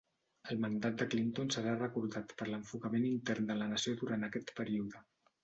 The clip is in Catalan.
El mandat de Clinton serà recordat per l'enfocament intern de la nació durant aquest període.